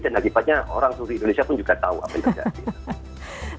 dan akibatnya orang seluruh indonesia pun juga tahu apa yang terjadi